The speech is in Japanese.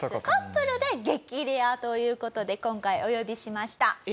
カップルで激レアという事で今回お呼びしました。